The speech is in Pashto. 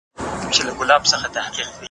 هغه څوک چي سبزېجات جمع کوي قوي وي!!